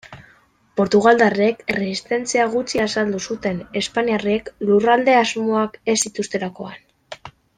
Portugaldarrek erresistentzia gutxi azaldu zuten, espainiarrek lurralde-asmoak ez zituztelakoan.